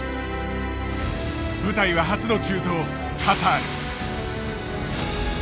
舞台は初の中東カタール。